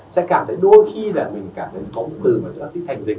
sẽ cảm thấy đôi khi là mình cảm thấy có một từ mà bác sĩ thành dịch